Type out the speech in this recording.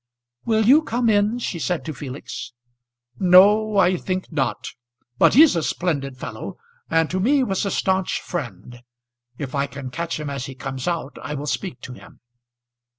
"Will you come in?" she said to Felix. "No, I think not. But he's a splendid fellow, and to me was a stanch friend. If I can catch him as he comes out I will speak to him."